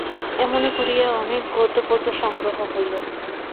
এমনি করিয়া অনেক গদ্য পদ্য সংগ্রহ হইল।